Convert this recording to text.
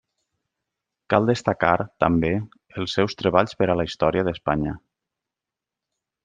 Cal destacar, també, els seus treballs per a la Història d'Espanya.